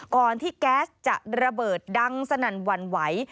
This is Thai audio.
ก่อนที่แก๊สจะระเบิดดังสนั่นหวั่นไหว